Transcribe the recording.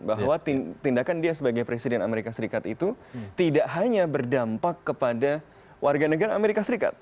bahwa tindakan dia sebagai presiden amerika serikat itu tidak hanya berdampak kepada warga negara amerika serikat